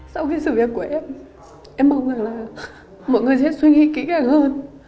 sau khi sự việc của em em mong rằng là mọi người sẽ suy nghĩ kỹ càng hơn